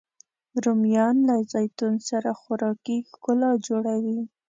رومیان له زیتون سره خوراکي ښکلا جوړوي